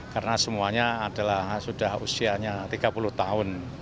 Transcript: karena semuanya adalah sudah usianya tiga puluh tahun